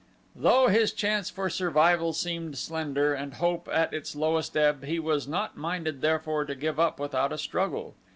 Though his chance for survival seemed slender, and hope at its lowest ebb, he was not minded therefore to give up without a struggle.